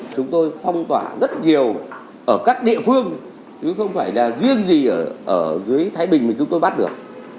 chúng tôi phong tỏa rất nhiều ở các địa phương chứ không phải là riêng gì ở dưới thái bình mà chúng tôi bắt được